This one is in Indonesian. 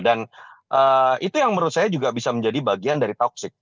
dan itu yang menurut saya juga bisa menjadi bagian dari toxic